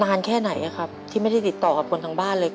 แค่ไหนครับที่ไม่ได้ติดต่อกับคนทางบ้านเลย